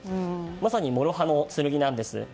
まさに諸刃の剣なんです。